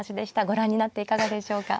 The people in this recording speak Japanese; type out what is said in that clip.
ご覧になっていかがでしょうか。